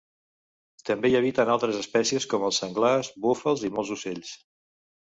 També hi habiten altres espècies com els senglars, búfals i molts ocells.